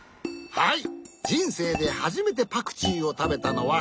はい。